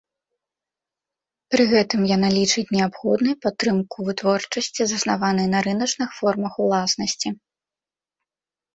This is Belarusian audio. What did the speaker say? Пры гэтым яна лічыць неабходнай падтрымку вытворчасці, заснаванай на рыначных формах уласнасці.